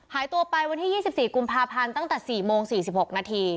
หายตัวไปวันที่๒๔กุมภาพันธ์ตั้งแต่๔โมง๔๖นาที